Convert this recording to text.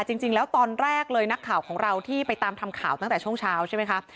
จริงแล้วตอนแรกเลยนักข่าวของเราที่ไปตามทำข่าวตั้งแต่ช่วงเช้าใช่ไหมคะ